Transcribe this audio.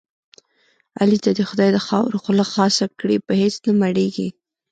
علي ته دې خدای د خاورو خوله خاصه کړي په هېڅ نه مړېږي.